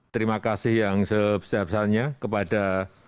terima kasih yang sebesar besarnya kepada